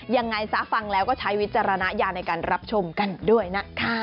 ยังไงซะฟังแล้วก็ใช้วิจารณญาณในการรับชมกันด้วยนะคะ